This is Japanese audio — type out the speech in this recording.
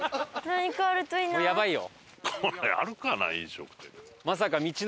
やばいよ。